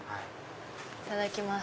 いただきます。